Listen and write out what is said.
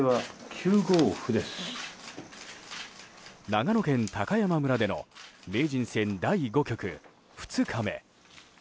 長野県高山村での名人戦第５局２日目。